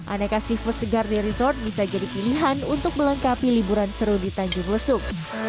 aneka seafood segar di resort bisa jadi pilihan untuk melengkapi liburan seru di tanjung lesung